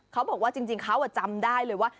เขาบอกว่าจริงเขาจำได้เลยว่า